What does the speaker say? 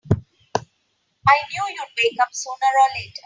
I knew you'd wake up sooner or later!